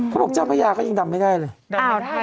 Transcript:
พี่บุรุษพ่ายก็ยังดำไม่ได้เลย